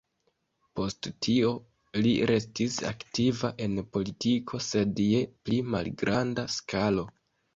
Post tio, li restis aktiva en politiko, sed je pli malgranda skalo.